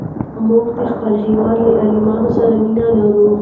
موږ د خپل هېواد له عالمانو سره مینه لرو.